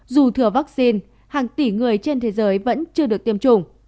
dù thừa vaccine hàng tỷ người trên thế giới vẫn chưa được tiêm chủng